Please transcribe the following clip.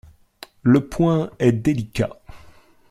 Le point est délicat.